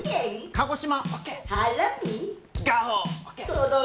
鹿児島。